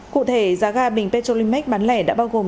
cụ thể giá ga bình petrolimax bán lẻ đã bao gồm